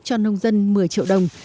cho nông dân một mươi triệu đồng